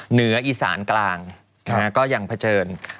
เหนืออีสานกลางก็ยังเผชิญ